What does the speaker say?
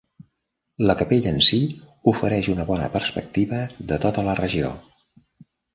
La capella en si ofereix una bona perspectiva de tota la regió.